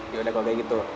yaudah kok kayak gitu